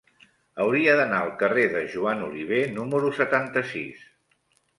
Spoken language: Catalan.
Hauria d'anar al carrer de Joan Oliver número setanta-sis.